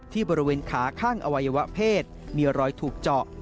ที่บริเวณขาข้างอวัยวะเพศมีรอยถูกเจาะ